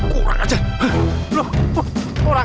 kurang ajar dulu ya